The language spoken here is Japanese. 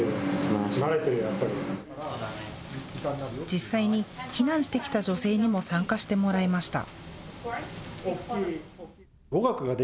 実際に避難してきた女性にも参加してもらいました。